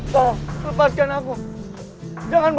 tetapi kamu adalah keputraaanku